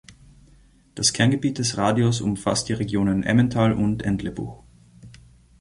Das Kerngebiet des Radios umfasst die Regionen Emmental und Entlebuch.